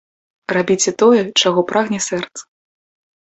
Рабіце тое, чаго прагне сэрца.